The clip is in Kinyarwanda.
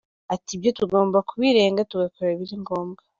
Ati “Ibyo tugomba kubirenga tugakora ibiri ngombwa.